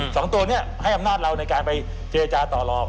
สองตัวนี้ให้อำนาจเราในการไปเจรจาต่อลอง